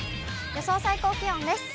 予想最高気温です。